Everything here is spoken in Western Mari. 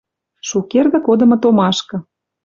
Шукердӹ кодымы томашкы